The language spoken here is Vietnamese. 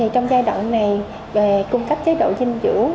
trong giai đoạn này về cung cấp chế độ dinh dưỡng